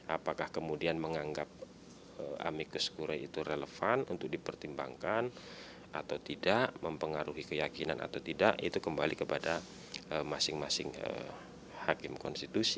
apakah kemudian menganggap amikus kure itu relevan untuk dipertimbangkan atau tidak mempengaruhi keyakinan atau tidak itu kembali kepada masing masing hakim konstitusi